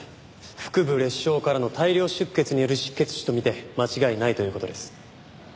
腹部裂傷からの大量出血による失血死と見て間違いないという事です。